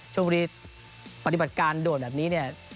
ชมบุรีปฏิบัติการด่วนแบบนี้เนี่ย